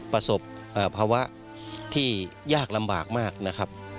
ประสบภาวะที่ยากลำบากมากนะครับ